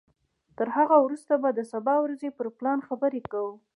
تر هغه وروسته به د سبا ورځې پر پلان خبرې کوو.